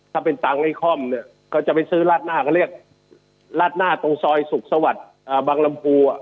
ถ้าเป็นตังค์ไทยคอมเนี่ยเค้าจะไปซื้อลาดหน้าเค้าเรียกลาดหน้าตรงซอยสุขสวรรค์บังลำภูอ่ะ